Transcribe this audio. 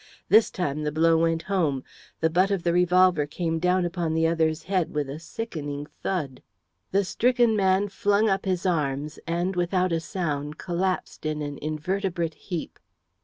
This time the blow went home. The butt of the revolver came down upon the other's head with a sickening thud. The stricken man flung up his arms, and, without a sound, collapsed in an invertebrate heap.